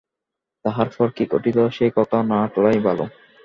তাহার পর কি ঘটিল, সে কথা না তোলাই ভালো।